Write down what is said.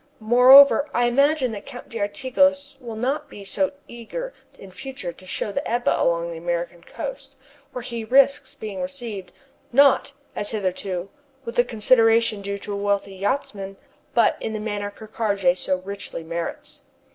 Moreover, I imagine the Count d'Artigas will not be so eager in future to show his Ebba along the American coast, where he risks being received, not, as hitherto, with the consideration due to a wealthy yachtsman, but in the manner Ker Karraje so richly merits.